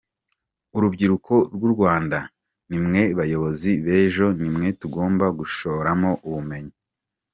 Urubyiruko rw’u Rwanda nimwe bayobozi b’ejo; nimwe tugomba gushoramo ubumenyi”.